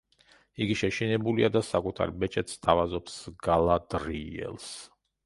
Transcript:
იგი შეშინებულია და საკუთარ ბეჭედს სთავაზობს გალადრიელს.